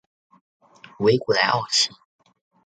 维古莱奥齐。